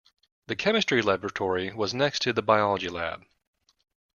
The chemistry laboratory was next to the biology lab